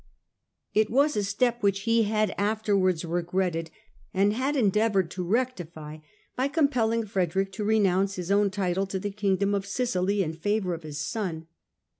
It was a step which he had afterwards regretted and had endeavoured to rectify by compelling Frederick to renounce his own title to the Kingdom of Sicily in favour of his son.